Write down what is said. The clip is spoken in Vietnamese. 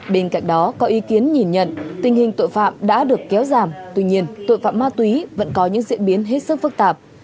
bên cạnh đó có ý kiến nhìn nhận tình hình tội phạm đã được kéo giảm tuy nhiên tội phạm ma túy vẫn có những diễn biến hết sức phức tạp